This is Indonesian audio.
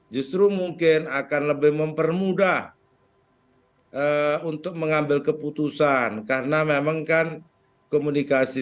justru mungkin akan lebih mempermudah untuk mengambil keputusan karena memang kan komunikasi